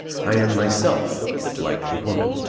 "I am myself like the woman.